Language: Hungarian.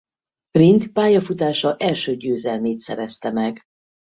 Rindt pályafutása első győzelmét szerezte meg.